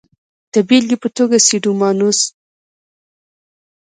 د بېلګې په توګه سیوډوموناس.